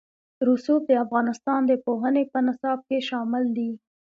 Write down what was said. رسوب د افغانستان د پوهنې په نصاب کې شامل دي.